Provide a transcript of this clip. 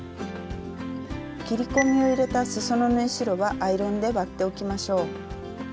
切り込みを入れたすその縫い代はアイロンで割っておきましょう。